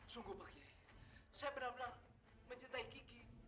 sungguh pak yai saya benar benar mencintai kiki